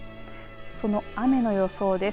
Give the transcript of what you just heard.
その雨の予想です。